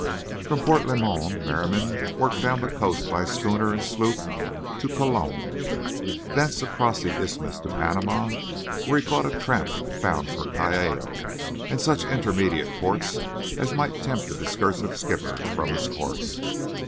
From Port Limon Merriam worked down the coast by schooner and sloop to Colon, thence across the isthmus to Panama, where he caught a tramp bound for Callao and such intermediate ports as might tempt the discursive skipper from his course.